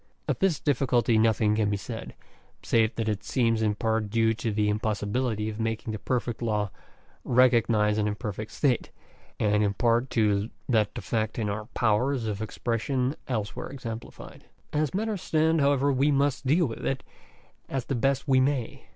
Of this difficulty nothing can be said, save that it seems in part due to the impossibility of making the perfect law recog nise an imperfect state, and in part to that defect in our powers of expression elsewhere exemplified (p. 89). As matters stand, however, we must deal with it as best we may.